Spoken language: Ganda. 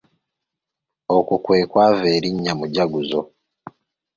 Okwo kwe kwava erinnya Mujaguzo.